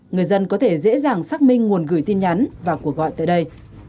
người dân có thể dễ dàng xác minh nguồn gửi tin nhắn và cuộc gọi tại đây